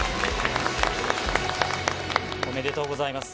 おめでとうございます。